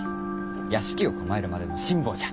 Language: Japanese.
屋敷を構えるまでの辛抱じゃ。